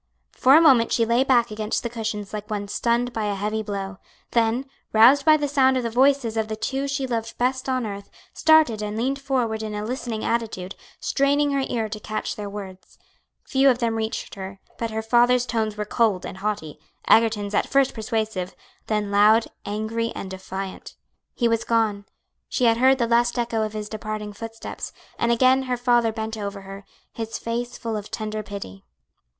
For a moment she lay back against the cushions like one stunned by a heavy blow; then, roused by the sound of the voices of the two she loved best on earth, started and leaned forward in a listening attitude, straining her ear to catch their words. Few of them reached her, but her father's tones were cold and haughty, Egerton's at first persuasive, then loud, angry, and defiant. He was gone, she had heard the last echo of his departing footsteps, and again her father bent over her, his face full of tender pity.